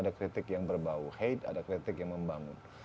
ada yang bau hate ada kritik yang membangun